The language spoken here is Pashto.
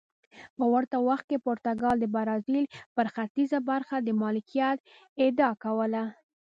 په ورته وخت کې پرتګال د برازیل پر ختیځه برخه د مالکیت ادعا کوله.